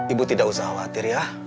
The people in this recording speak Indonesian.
ibu tidak usah khawatir ya